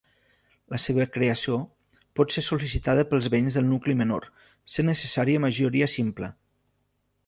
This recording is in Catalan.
La seva creació pot ser sol·licitada pels veïns del nucli menor, sent necessària majoria simple.